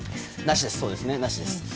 なしです。